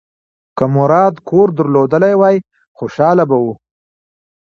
که مراد کور درلودلی وای، خوشاله به و.